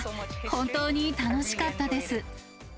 本当に楽しかったです。